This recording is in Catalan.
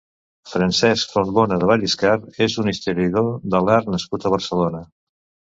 Francesc Fontbona de Vallescar és un historiador de l'art nascut a Barcelona.